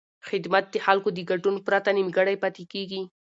خدمت د خلکو د ګډون پرته نیمګړی پاتې کېږي.